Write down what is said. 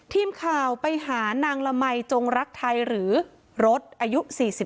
ทีมข่าวไปหานางละมัยจงรักไทยหรือรถอายุ๔๒